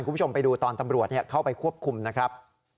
คุณผู้ชมไปดูตอนตำรวจเข้าไปควบคุมนะครับ